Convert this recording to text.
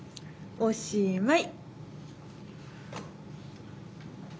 おしまい。